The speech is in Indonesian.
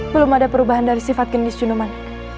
belum ada perubahan dari sifat genis cunuman